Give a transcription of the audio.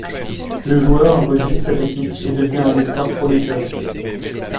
Le joueur impose vite sa technique et devient un espoir prometteur.